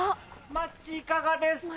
・マッチいかがですか？